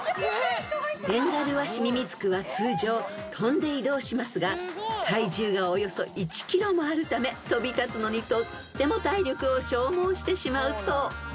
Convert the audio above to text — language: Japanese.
［ベンガルワシミミズクは通常飛んで移動しますが体重がおよそ１ｋｇもあるため飛び立つのにとっても体力を消耗してしまうそう］